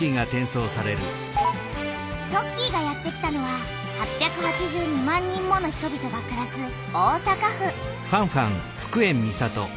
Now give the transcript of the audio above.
トッキーがやってきたのは８８２万人もの人々がくらす大阪府。